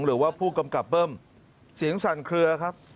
หรือว่าผู้กำกับเบิ้มเสียงสั่นเคลือครับ